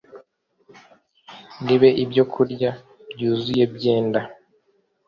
ribe ibyokurya byuzuye byenda